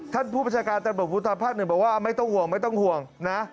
ท่านผู้ประชาการตำรวจผู้ทันภาคหนึ่งบอกว่าไม่ต้องห่วงนะ